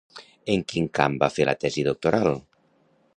En quin camp va fer la tesi doctoral?